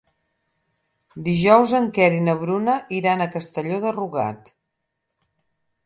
Dijous en Quer i na Bruna iran a Castelló de Rugat.